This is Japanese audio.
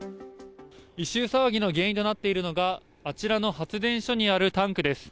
異臭騒ぎの原因となっているのが、あちらの発電所にあるタンクです。